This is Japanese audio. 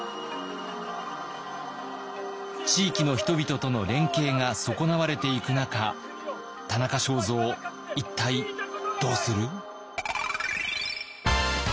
地域の人々との連携が損なわれていく中田中正造一体どうする？